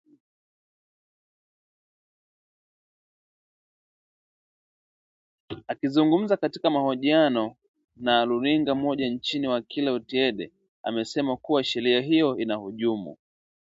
Akizungumza katika mahojiano na runinga moja nchini Wakili Otiende amesema kuwa sheria hiyo inahujumu